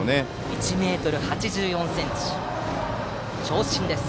１ｍ８４ｃｍと長身です。